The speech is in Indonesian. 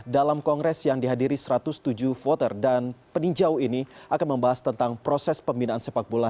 dalam kongres yang dihadiri satu ratus tujuh voter dan peninjau ini akan membahas tentang proses pembinaan sepak bola